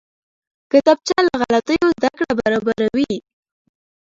کتابچه له غلطیو زده کړه برابروي